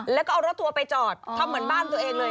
แล้วก็เอารถทัวร์ไปจอดทำเหมือนบ้านตัวเองเลย